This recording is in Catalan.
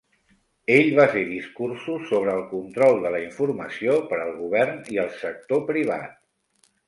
Ell va fer discursos sobre el control de la informació per al govern i el sector privat.